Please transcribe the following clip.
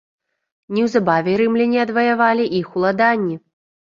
Неўзабаве рымляне адваявалі іх уладанні.